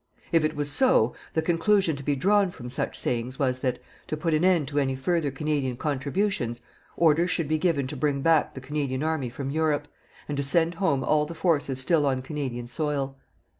If it was so, the conclusion to be drawn from such sayings was that, to put an end to any further Canadian contributions, orders should be given to bring back the Canadian Army from Europe, and to send home all the forces still on Canadian soil.